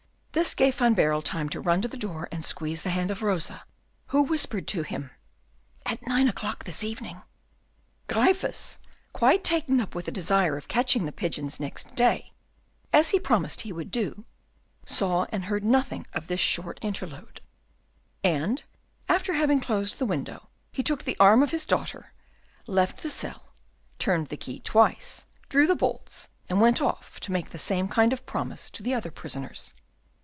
This gave Van Baerle time to run to the door, and squeeze the hand of Rosa, who whispered to him, "At nine o'clock this evening." Gryphus, quite taken up with the desire of catching the pigeons next day, as he had promised he would do, saw and heard nothing of this short interlude; and, after having closed the window, he took the arm of his daughter, left the cell, turned the key twice, drew the bolts, and went off to make the same kind promise to the other prisoners.